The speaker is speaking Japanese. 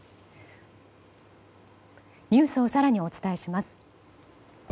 ニュースを更にお伝えします。